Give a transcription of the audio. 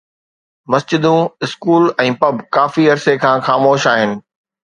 مسجدون، school ۽ pub ڪافي عرصي کان خاموش آهن